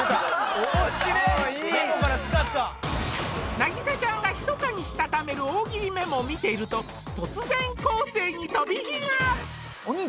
凪咲ちゃんがひそかにしたためる大喜利メモを見ていると突然昴生に飛び火が！